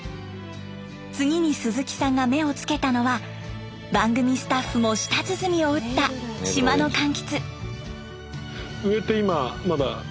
次に鈴木さんが目をつけたのは番組スタッフも舌鼓を打った島の柑橘。